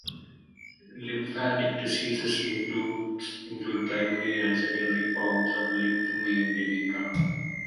Lymphatic diseases include primary and secondary forms of lymphedema.